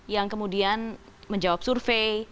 yang kemudian menjawab survei